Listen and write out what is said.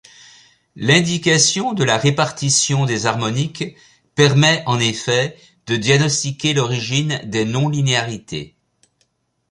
L'indication de la répartition des harmoniques permet, en effet, de diagnostiquer l'origine des non-linéarités.